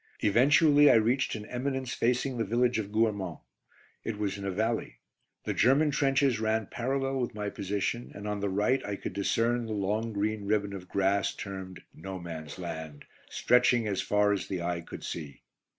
Eventually I reached an eminence facing the village of Gouerment. It was in a valley. The German trenches ran parallel with my position, and on the right I could discern the long green ribbon of grass termed "No Man's Land," stretching as far as the eye could see.